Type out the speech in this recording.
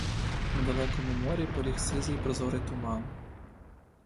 На далекому морі поліг сизий прозорий туман.